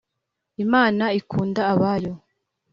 Imana ikunda abayo.